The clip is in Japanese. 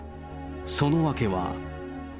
その訳は。